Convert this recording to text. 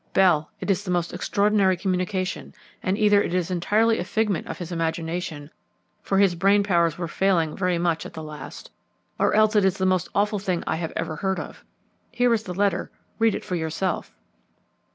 Bell, it is the most extraordinary communication, and either it is entirely a figment of his imagination, for his brain powers were failing very much at the last, or else it is the most awful thing I ever heard of. Here is the letter; read it for yourself."